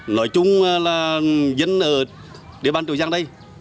nói chung là dân ở địa bàn chủ giang đây